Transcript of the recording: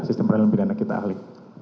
sistem peradilan pidana kita ahli